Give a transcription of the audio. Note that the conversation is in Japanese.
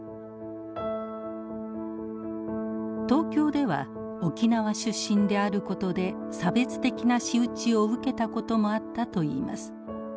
東京では沖縄出身であることで差別的な仕打ちを受けたこともあったといいます。